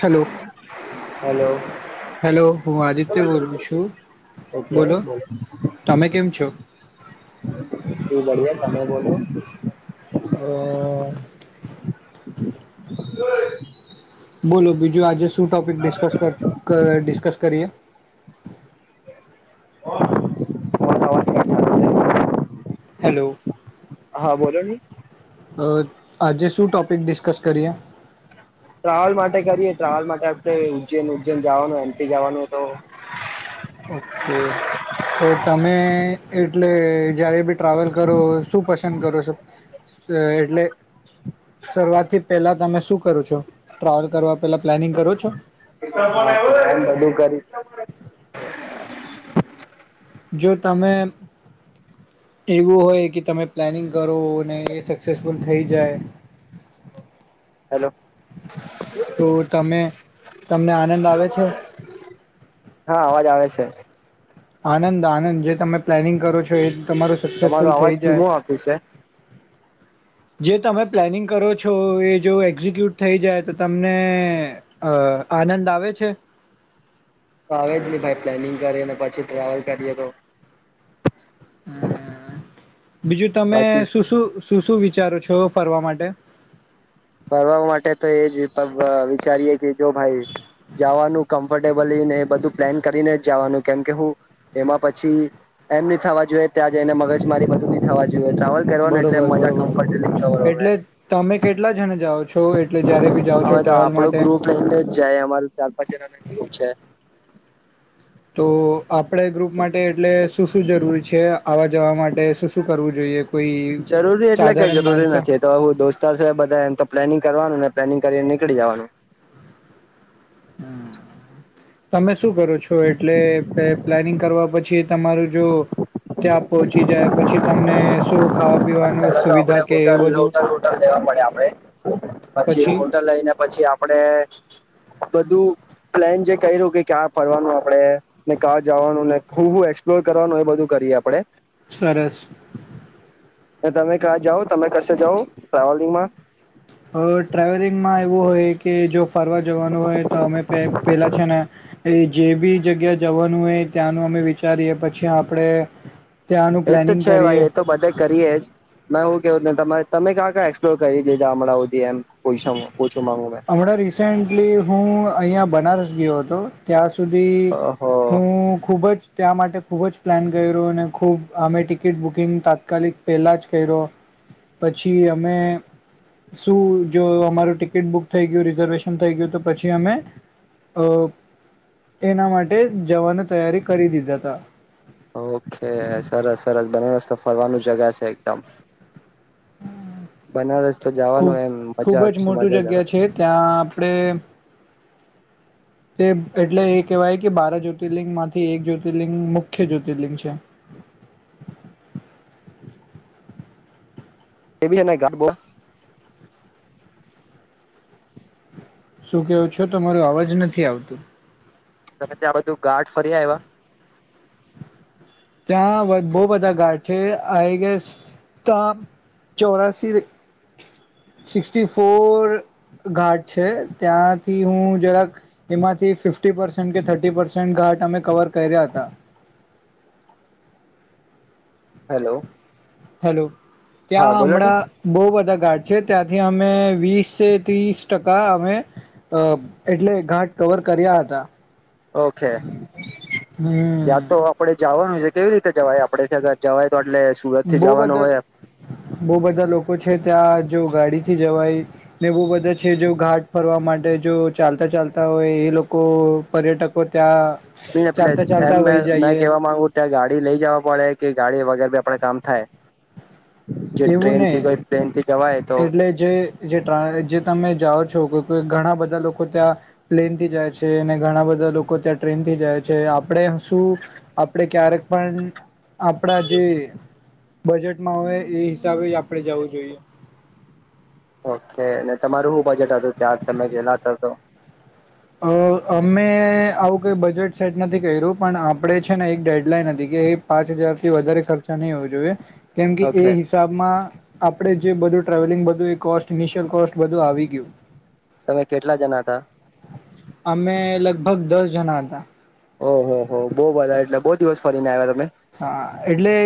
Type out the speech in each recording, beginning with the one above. Hello hello hello હું આદિત્ય બોલું છું બોલો તમે કેમ છો શું બઢિયા તમે બોલો અ [inaudible] બોલો બીજું આજે સુ ટોપિક ડિસ્કસ કર કર ડિસ્કસ કરીએ. તમારો અવાજ કટ આવે છે હેલો હા બોલો ની અ આજે શું ટોપિક ડિસ્કસ કરીએ. ટ્રાવલ માટે કરીએ ટ્રાવલ માટે ઉજ્જૈન ઉજ્જૈન જવાનું એમથી જવાનું તો ઓકે તો તમે એટલે જ્યારે બી ટ્રાવેલ કરો શું પસંદ કરો છો એટલે શરૂઆથી પહેલા તમે શું કરો છો ટ્રાવેલ કરવા પેલા પ્લાનિંગ કરો છો [unintelligible] બધું કરી જો તમે એવું હોય કે તમે પ્લાનિંગ કરો અને એ સક્સેસફુલ થઈ જાય હલો તો તમે તમને આનંદ આવે છે હા અવાજ આવે છે. છે. આનંદ આનંદ જે તમે પ્લાનિંગ કરો છો એ તમારું તમારો સક્સેસફુલ અવાજ થઈ જાય ધીમો આપ્યું છે. જે તમે પ્લાનિંગ કરો છો એ જો એક્ઝિક્યુટ થઈ જાય તો તમને અ આનંદ આવે છે. આવે જ નહી ભાઈ પ્લેનિંગ કરીએ ને પછી ટ્રાવેલ કરીએ તો હમ્મ બીજું તમે બાકી શું શું શું શું વિચારો છો ફરવા માટે ફરવા માટે તો એ જ અ વિચારીએે કે જો ભાઈ જાવાનું કમ્ફર્ટેબલી ને એ બધું પ્લાન કરીને જ જાવાનું કેમકે હું એમાં પછી એમ નહી થવા જોઈએ ત્યાં જઈને મગજ મારી બધું નહી થાવા ટ્રાવલ કરવાનું એટલે બરોબર મજા બરોબર કમ્ફર્ટેબલી એટલે તમે કેટલા જણ જાઓ છો એટલે જયારે બી જાઓ છો અમે તો ટ્રાવેલ આપડો માટે ગ્રુપ લઈને જ જાય અમાર ચાર પાંચ જણા છે. તો આપડે ગ્રુપ માટે એટલે શું શું જરૂરી છે આવા જવા માટે શું શું કરવું જોઈએ. કોઈ જરૂરી એટલે કઈ સાધારણ જરૂરી માણસ નથી તો હું દોસ્તાર છે બધા એમ તો પ્લાનિંગ કરવાનું ને પ્લાનિંગ કરીને નીકળી જવાનું. હમ્મ, તમે શું કરો છો? એટલે પ્લાનિંગ કરવા પછી તમારું જો ત્યાં પહોંચી જાય પ પછી તમને શું ખાવા પીવાનું પેલા તો સુવિધા આપડે કે એ હોટલ બધું હોટલ વોટલ લેવા પડે આપડે પછી હોટલ લઈને પછી આપડે બધું પ્લેન જે ક્યું કે ક્યાં ફરવાનું આપડે ને ક્યાં જવાનું ને હું હું એક્સપ્લોર કરવાનું એ બધું કરીએ આપડે. સરસ. અને તમે ક્યાં જાઓ તમે કશે જાઓ ટ્રાવેલિંગમાં? અ ટ્રાવેલિંગમાં એવું હોય કે જો ફરવા જવાનું હોય તો અમે પે પેલા છે ને ત્યાંનું એજ તો પ્લાનિંગ છે કરીએ ભાઈ એ તો બધે કરીએ જ મે હું રોજ ના તમે ક્યા ક એક્સપ્લોર કર હમણાં રિસેન્ટલી હું અહિયાં બનારસ ગયો હતો ત્યાં સુ સુધી ઓહો હું ખૂબ જ ત્યાં માટે ખૂબ જ પ્લાન કર્યો અને ખૂબ અમે ટિકિટ બુકિંગ તાત્કાલિક પહેલાં જ કર્યો. પછી અમે શું જો અમારું ટિકિટ બુક થઈ ગયું રિઝર્વેશન થઈ ગયું ઓકે સરસ સરસ બનેરસ્ તો ફરવાનું જગ્યા છે એકદમ. બનારસ તો જવાનું ખુબ એમ ખુબ મજા જ છે મોટી મજા આવે જગ્યા છે. ત્યાં આપડે તે એટલે એ કહેવાય કે બારા જ્યોતિર્લિંગમાંથી એક જ્યોતિર્લિંગ મુખ્ય જ્યોતિર્લિંગ છે. એ બી છેને ગાઢ બો શું કેવો છો તો માર અવાજ નથી આવતું? તમે ત્યાં બધું ગાઠ ફરી્ આયવા? ત્યાં બવ બધા ઘાટ છે. આઈ ગેસ તા ચોરાસી સિકટી ફોર ઘાટ છે ત્યાંથી હું જરાક એમાંથી ફીફ ટી પરસન્ટ કે થર્ટી પરસેન્ટ ઘાટ અમે કવર કર્યા તા. હેલો. હેલો. હા ત્યાં બોલો ને હમણાં બવ બધા ઘાટ છે ત્યાંથી અમે વીસ ત્રીસ ટકા અમે અ એટલે ઘાટ કવર કર્યા હતા. ઓકે. હમ ત્યાં તો આપડે જવાનું કેવી રીતે જવાય? આપડે ત્યાં જવાય તો એટલે સુરત થી બવ જવાનું હોય બધા બહુ બધા લોકો છ છે ત્યાં જો ગાડીથી જવાય ને બવ બધા છે જો ઘાટ ફરવા માટે જો ચાલતા ચાલતા હોય એ લોકો પર્યટકો ત્યાં [inaudible] ચાલતા એમ ચાલતા મે વહી મેં જઈએ કેવા માંગુ ત્યાં ગાડી લઈ જવા પડે કે ગાડી વગેર [unintelligible] આપણે કામ થાય? જે એવું ટ્રેન થી નહી ગઈ ટ્રેન થી જવાય તો એટલે જે તમે જાઓ--. ઘણા બધા લોકો ત્યાં, પ્લેન થી જાય છે અને ઘણા બધા લોકો ત્યાં ટ્રેનથી જાય છે આપણે શું, આપણે ક્યારેક પણ-. આપણા જે--. બજેટમાં હવે એ હિસાબે આપડે જવું જોઈએ. ઓકે અને તમારું શું બજેટ હતું ત્યાં તમે ગલા હતા તો. અ અમે આવું કઈ બજેટ સેટ નથી કર્યું પણ આપણે છે ને એક ડેડલાઈન હતી કે એ પાંચ હજાર થી વધારે ખર્ચા નહી હોવું જોઈએ. કેમ કે એ ઓકે હિસાબમાં--. આપડે જે બધું ટ્રાવેલિંગ બધું એ કોસ્ટ ઇનિશિયલ કોસ્ટ બધું આવી ગયું. તમે કેટલા જણા હતા? અમે લગભગ દસ જણા હતા. ઓહ હો બહુ બધા એટલે બહુ દિવસ ફરીને આવ્યા હતા. હા એટલે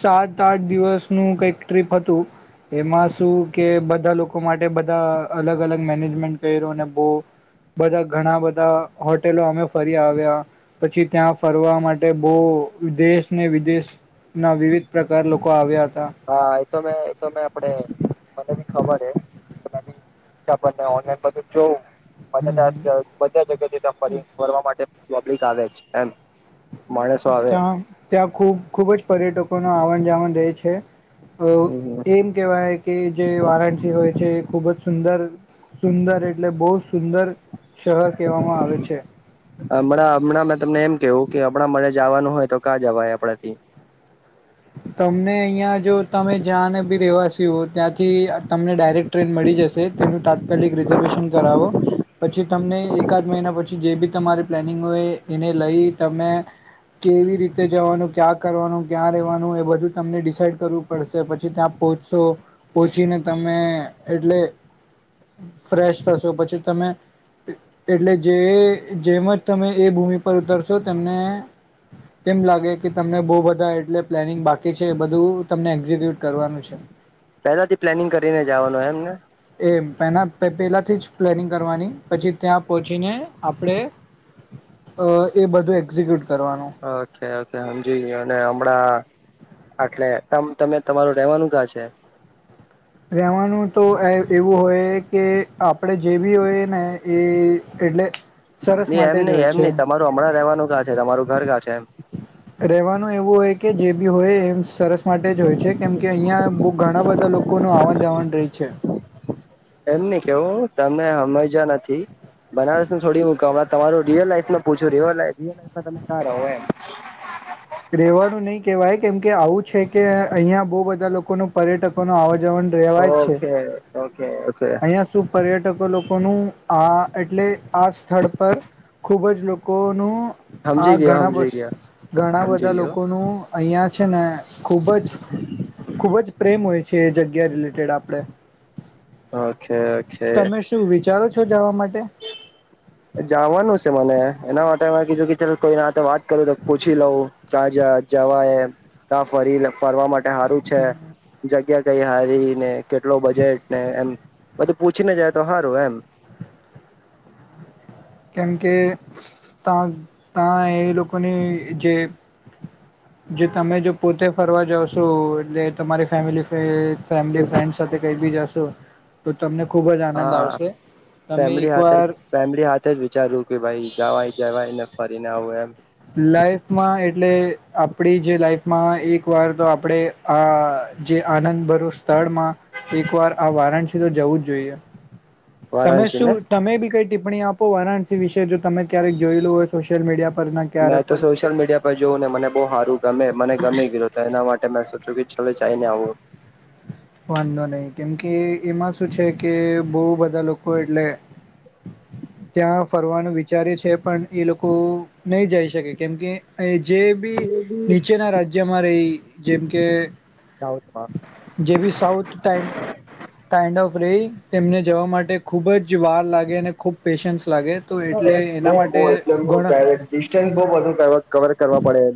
સાજ--. આઠ દિવસનું કઈક ટ્રીપ હતું, એમાં શું કે બધા લોકો માટે બધા અલગ અલગ મેનેજમેન્ટ કર્યું અને બહ, બધા ઘણા બધા હોટેલો અમે ફરી આવ્યા, પછી ત્યાં ફરવા માટે બહ વિદેશ--. ને વિદેશના વિવિધ પ્રકાર લોકો આવ્યા હતા. હા એતો મેં એ તો મે આપડે--. મને બી ખબર હ પર ઓનલાઈન જોવ--. બધા ત્યાં બધા જગ્યાથી ત્યાં ફરી ફરવા માટે. પબ્લિક આવેાવજ એમ. માણસો આવે ત્યા ત્યાં ખુબ ખુબ જ પર્યટકો ન આવન. જ રે છે. અ એમ કેહેવાય કે જે વારાણસી હોય છે ખુબ જ સુંદર. સુંદર એટલે બહુ સુંદર. શહેર કહેવામાં આવે છે. હમણાં હમણાં મે તમને એમ. કેવું કે આપણા મને જવાનું હોય તો કાં જવાય આપણાથી. તમને અહિયાં જો તમે જ્યાં ને બી રવાસી હો ત્યાંથી. તમને ડાયરેક્ટ ટ્રેન મળી જશે તેનું તાત્કાલિક રિઝર્વેશન કરાવો પછી તમને એકાદ મહિના પછી. જે બી તમારી પ્લાનિંગ હોય એને લઈ તમે કેવી રીતે જવાનું ક્યાં કરવાનું ક્યાં રહેવાનું. બ તમને ડિસડ કરવું પડશે પછી ત્યાં પહોચશો પહચીને તમે એટલે ફ્રેશ થશો પછી તમે એટલે જેમ જ તમે એ ભૂમિ પર ઉતરશો તેમને એમ લાગે કે તમને બહુ બધા એટલે. પ્લાનિંગ બાકી છે એ બધું તમને એક્ઝિક્યુટ કરવાનું છે. પેલા થી પ્લાનિંગ કરીને જવાનું એમને. પના પહેલાંથી જ પ્લેનિંગ કરવાની પછી ત્યાં પહોંચીને આપણે એ બધું એક્ઝિક્યુટ. કરવાનું ઓકે ઓકે સમજી અને હમણાં. એટલે ત તમે તમારું રેવાનું ગા છે. રવાનું તો એવું હોય કે. આપણેે જે બી હોય ને. એ એટલે. સરસ નઈ એમ માટે નહિ જ હોય એમ છે નહ તમારું હમણાં રહેવાનું કાં છે તમારું ઘર કાં છે એમ. રેવાનું એવું હોય કે જે બી હોય એમ સરસ માટે જ હોય છે કેમ કે અહિયાં બ ઘણા બધા લોકો લોકોનું આવન જાવન રહી છે. [inaudible] કેવું તમે હમઇજા નથી થી. બનારસ થોડી મુકાવડા તમારું રિયલ લાઈફમાં પૂછું રિયલ લાઈફમાં તમે કા રહો એમ? રેવાનું નહી કેવાય કેમ કે આવું છે કે અહિયાં બહુ બધા લોકો ન પર્યટકો અવાજ જવન રહેેવાય જ છે. કે ઓકે. અહીંયા શું પર્યટકો લોકોનું આ એટલે આ સ્થળ પર ખૂબ જ લોકોનું હ સમજી ગયો ઘણા સમજી ગયો ઘણા સમજી બધા ગયો લોકોનું અહિયાં છેને ખુબ જ ખુબ જ પ્રેમ હોય છે જગ્યા રિલેટેડ આપણેે. Okay okay. વિચારો છો જવા મા જવાનું છે મને એના માટે મે કીધું કે ચ કોઈ વાત કરું તો પૂછી લઉં ક્યાં જવા એ ક્યાં ફરી ફરવા માટે હારુ છે જગ્યા કઈ હારી ને કેટલો બજેટ ને એમ બધું પૂછીને જાય તો સારું એમ. કેમકે તં ત્યાં એ લોકોની જે જે તમે જો પોતે ફરવા જાઓશો એટલે તમારી ફેમિલી [inaudible] ફેમિલી ફ્રેન્ડ સાથે કઈ બી જશો તો તમને ખુબ જ આનંદ હા આવશે. તમે એકવાર તેજ વિચાર્યું કે ભાઈ જવાઈ જવાઈને ફરીને આવું એમ. માં એક વાર તો આપણેે આ જે આનંદ ભરૂ સ્થળમાં એક વાર આ વારાણસી તો જવું જ જોઈએ. તમે વારાણસી ને શું તમે બી કઈ ટિપ્પણી આપો વારાણસી વિશે જો તમે ક્યારેક જોયેું હોય સોશિયલ મીડિયા પર. ના ક્યારે મેં તો પર સોશિયલ મીડિયા પર જોવું ને મને બહુ હારું ગમે મને ગમી ગયું એના માટે મે સોચુ [inaudible] આવો. વાંધો નહી કેમકે એમાં શું છે કે બહુ બધા લોકો એટલે ત્યાં ફરવાનું વિચારે છે પણ એ લોકો નહી જઈ શકે કેમકે જે બી એ બી નીચેના રાજ્યમાં રહી જેમ કે આવ આવતમાં. જે બી સાઉથ ટાાઈમ ટાાઈન્ડ ઓફ રહી તેમને જવા માટે ખૂબ જ વાર લાગે અને ખૂબ. પેશન્સ લાગે તો એટલે એના બ માટે એટલે ઘણા બ ડિસ્ટન્સ બું કવર કરવા પડે એ.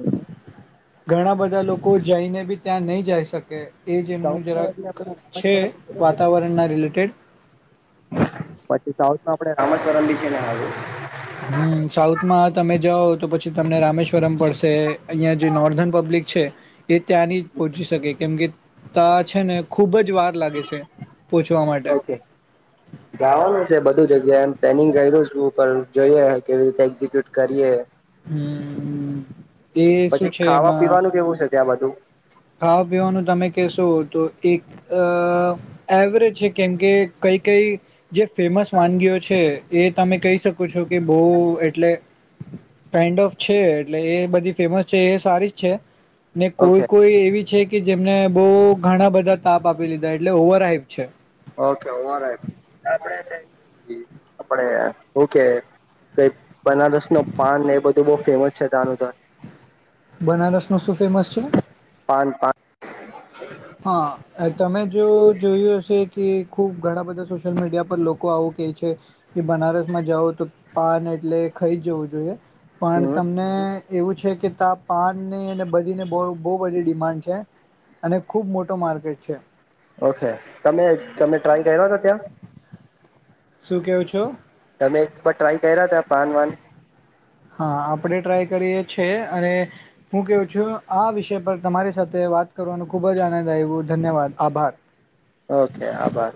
ઘણા બધા લોકો જઈને બી ત્યાં નહી જઈ શકે. એ જે એમનું સાઉથમાં જરાક એટલે આપણે રામેશ્વરમ છે બી ને સારું વાતાવરણના રિલેટેડ. આપડે રામે સ્વરમ ભી છે ને આવું. હમ સાઉથમાં તમે જાઓ. તો પછી તમને રામેશ્વરમ પડશે અહિયાં જે નોર્ધન પબ્લિક છે. એ ત્યાં નહી પહોંચી શકે કેમ કે. તો છે ને ખુબ જ. વાર લાગે છે પહોંચવા માટે ઓકે જવાનું છે બધું જગ્યા એમ પેનિંગ કરું છું પણ. જોઈએ કેવી રીતે એક્ઝિક્યુટ કરીએ. હમ એ શું પછી છે ખાવા એમાં પીવાનું કેવું છે ત્યાં બધું ખાવા પીવાનું તમે કેશો. તો એક એવરેજ છે કેમ કે કઈ કઈ જે ફેમસ વાનગીઓ છે એ તમે કહી શકો છો કે બહ એટલે. કાઇન્ડ ઓફ છે એટલે એ બધી ફેમસ છે એ સારી જ છે. ને કોઈ ઓકે કોઈ એવી છે કે. કે જેમને બહ ઘણા બધા તાપ આપી લીધા એટલે ઓવર હાઈપ છે. ઓકે ઓ આપડે કઈ આપણે ઓકે કઈ બનારસ ન પાન એ બધું બહુ ફેમસ છે ત્યાનું તો બનારસ નું શું ફેમસ છે. પાન પાન હા તમે જો જોયું હશે કે. ખુબ ઘણા બધા સોશિયલ મીડિયા પર લોકો આવું કે છે કે બનારસ માં જાઓ તો પાન એટલે ખાઈ જ જવું જોઈએ. પણ હમ તમને એવું. છે કે તા પાનને અને બધીને બહ બધી ડિમાન્ડ છે... અને ખુબ મોટો માર્કેટ છે. ઓકે તમે તમે ટ્રાય કર્યો હતો ત્યાં. શું કેવું છો. તમે એકર ટ્રાય કર્યા ત પાન વાન. હા આપડે ટ્રાય કરીએ છે અને હું કેવું છું આ વિષય પર તમારી સાથે વાત કરવાનો ખુબ જ આનંદ આવ્યો ધન્યવાદ આભાર. ઓકે આભાર